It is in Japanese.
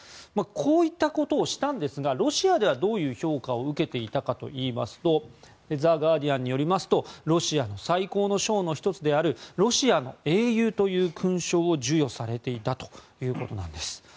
こういったことをしたんですがロシアではどういう評価を受けていたかといいますとザ・ガーディアンによりますとロシアの最高の章の１つであるロシアの英雄という勲章を授与されていたということなんです。